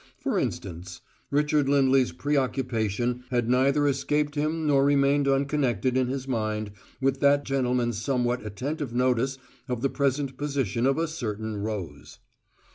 For instance: Richard Lindley's preoccupation had neither escaped him nor remained unconnected in his mind with that gentleman's somewhat attentive notice of the present position of a certain rose.